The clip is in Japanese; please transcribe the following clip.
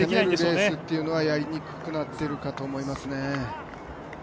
攻めるレースをというのはやりづらくなってるかと思います。